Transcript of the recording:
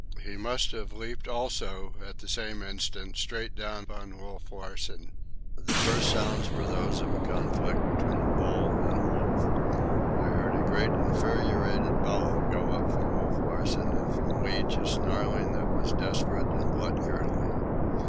He must have leaped, also, at the same instant, straight down on Wolf Larsen. The first sounds were those of a conflict between a bull and a wolf. I heard a great infuriated bellow go up from Wolf Larsen, and from Leach a snarling that was desperate and blood curdling.